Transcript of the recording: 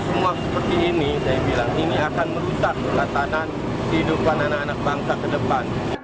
semua seperti ini saya bilang ini akan merusak perlatanan kehidupan anak anak bangsa kedepan